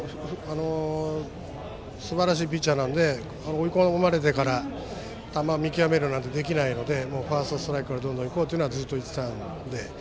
すばらしいピッチャーなので追い込まれてから球を見極めるのはできないのでファーストストライクからどんどん行こうというのはずっと言っていたので。